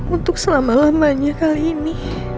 untuk selama lamanya kali ini